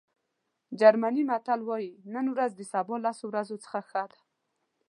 جرمني متل وایي نن ورځ د سبا لسو ورځو څخه ښه ده.